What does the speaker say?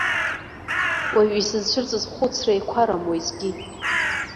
Уажә исызцәырҵыз хәыцра еиқәарам уиазгьы!